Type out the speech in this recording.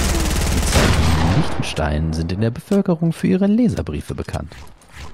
Die Zeitungen in Liechtenstein sind in der Bevölkerung für ihre Leserbriefe bekannt.